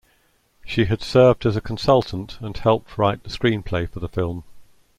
She had served as a consultant and helped write the screenplay for the film.